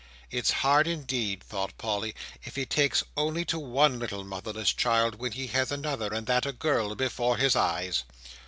"It's hard indeed," thought Polly, "if he takes only to one little motherless child, when he has another, and that a girl, before his eyes."